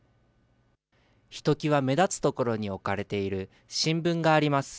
ひときわ目立つところに置かれている新聞があります。